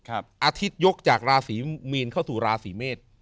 อาทิตยกจากราศีมีนเข้าสู่ราศีเมษ